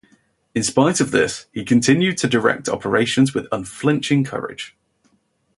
In spite of this he continued to direct operations with unflinching courage.